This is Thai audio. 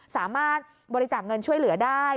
สามารถบริจาคเงินช่วยเหลือได้